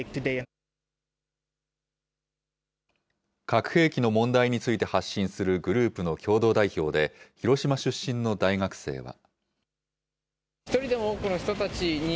核兵器の問題について発信するグループの共同代表で、広島出身の大学生は。